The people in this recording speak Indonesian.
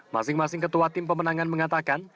masing masing ketua tim pemenangan mengatakan